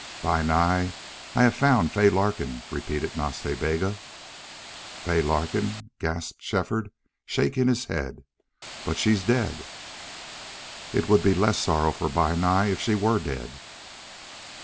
"Bi Nai, I have found Fay Larkin," repeated Nas Ta Bega. "Fay Larkin!" gasped Shefford, shaking his head. "But she's dead." "It would be less sorrow for Bi Nai if she were dead."